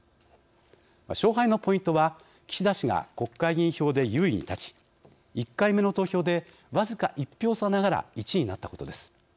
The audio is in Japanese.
勝敗のポイントは岸田氏が国会議員票で優位に立ち１回目の投票で僅か１票差ながら１位になったことです。